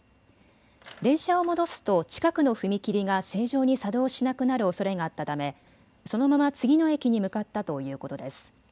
電車を戻すと近くの踏切が正常に作動しなくなるおそれがあったためそのまま次の駅に向かったということです。